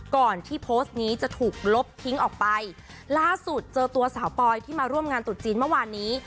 ก่อนที่โพสต์นี้จะถูกลบทิ้งออกไปล่าสุดเจอตัวสาวปอยที่มาร่วมงานตุดจีนเมื่อวานนี้